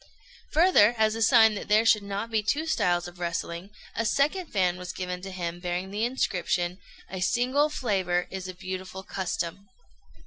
Further, as a sign that there should not be two styles of wrestling, a second fan was given to him bearing the inscription, "A single flavour is a beautiful custom."